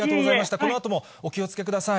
このあともお気をつけください。